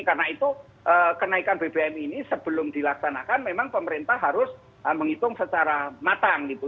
karena itu kenaikan bbm ini sebelum dilaksanakan memang pemerintah harus menghitung secara matang gitu